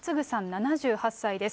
７８歳です。